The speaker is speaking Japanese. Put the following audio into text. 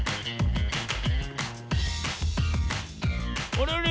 あれあれ？